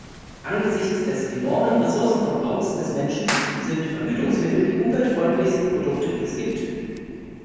Angesichts des enormen Ressourcenverbrauchs des Menschen sind Verhütungsmittel die umweltfreundlichsten Produkte, die es gibt.